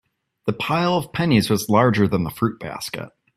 The pile of pennies was larger than the fruit basket.